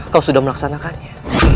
kau sudah melaksanakannya